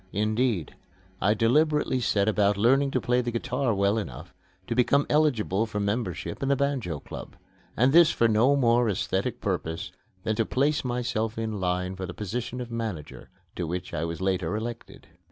Indeed, I deliberately set about learning to play the guitar well enough to become eligible for membership in the Banjo Club and this for no more aesthetic purpose than to place myself in line for the position of manager, to which I was later elected.